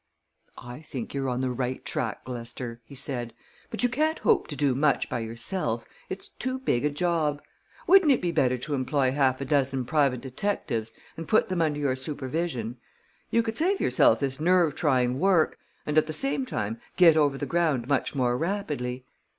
"I think you're on the right track, Lester," he said. "But you can't hope to do much by yourself it's too big a job. Wouldn't it be better to employ half a dozen private detectives, and put them under your supervision? You could save yourself this nerve trying work, and at the same time get over the ground much more rapidly.